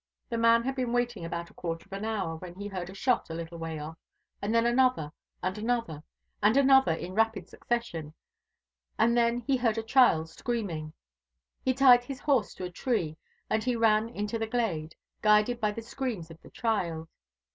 The man had been waiting about a quarter of an hour, when he heard a shot a little way off and then another, and another, and another, in rapid succession and then he heard a child screaming. He tied his horse to a tree, and he ran into the glade, guided by the screams of the child.